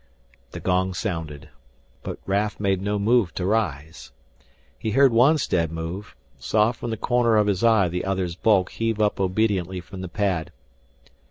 The gong sounded, but Raf made no move to rise. He heard Wonstead move, saw from the corner of his eye the other's bulk heave up obediently from the pad.